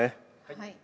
はい。